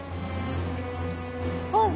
あっ！